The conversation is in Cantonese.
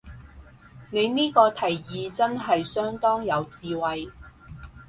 你呢個提議真係相當有智慧